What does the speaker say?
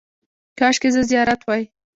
– کاشکې زه زیارت وای.